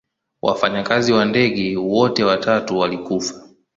Wafanyikazi wa ndege wote watatu walikufa.